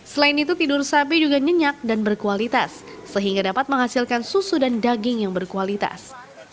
selain itu tidur sapi juga nyenyak dan berkualitas sehingga dapat menghasilkan susu dan daging yang berkualitas